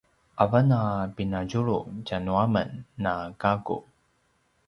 avan a pinadjulu tjanu a men na gaku